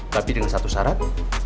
tapi dengan satu syarat